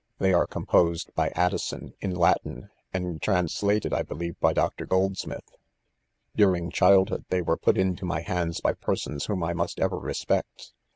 They are composed by Addison, iri Latin, and translated, (I believe,) by Dr. Goldsmith. Daring childhood, they were put into my hands by persons whom I must ever respect.